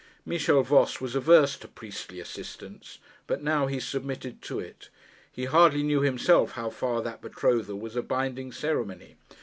Michel Voss was averse to priestly assistance; but now he submitted to it. He hardly knew himself how far that betrothal was a binding ceremony.